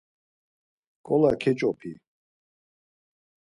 Nǩola keç̌opi.